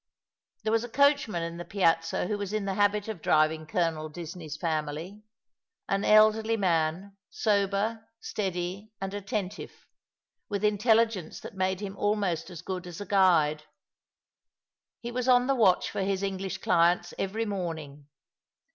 There was a coachman in the Piazza who was in the habit of driving Colonel Disney's^ family — an elderly man, sober, steady and attentive, with intelligence that made him almost as good as a guide. He was on the watch for his English clients every morning.